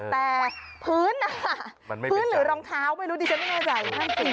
แต่พื้นหรือรองเท้าไม่รู้ดีฉันไม่แน่ใจ